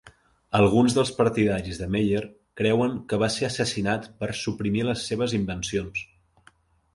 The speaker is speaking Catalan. Alguns dels partidaris de Meyer creuen que va ser assassinat per suprimir les seves invencions.